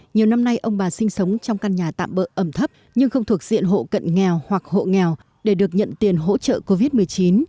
nhiều năm nay ông bà sinh sống trong căn nhà tạm bỡ ẩm thấp nhưng không thuộc diện hộ cận nghèo hoặc hộ nghèo để được nhận tiền hỗ trợ covid một mươi chín